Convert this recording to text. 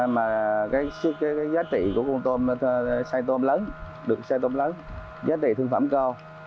mà cái giá trị của con tôm xay tôm lớn được xay tôm lớn giá trị thương phẩm cao